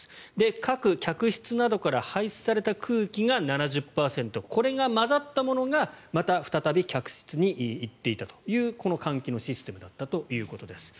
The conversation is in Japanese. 各客室などから排出された空気が７０％これが混ざったものがまた再び客室に行っていたという換気のシステムだったということです。